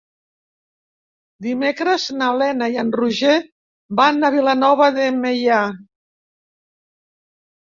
Dimecres na Lena i en Roger van a Vilanova de Meià.